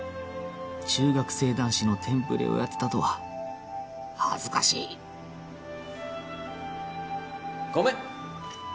中学生男子のテンプレをやってたとは恥ずかしい！ごめん！